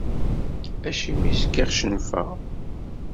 Acimi zgiɣ cennfeɣ?